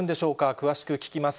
詳しく聞きます。